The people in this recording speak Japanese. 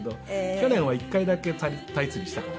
去年は一回だけ鯛釣りしたかな。